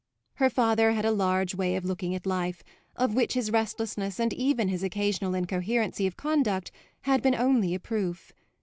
Her father had a large way of looking at life, of which his restlessness and even his occasional incoherency of conduct had been only a proof.